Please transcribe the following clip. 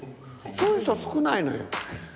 そういう人少ないのよ。